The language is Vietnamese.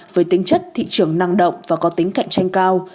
với tính chất thị trường năng động và có tính cạnh tranh cao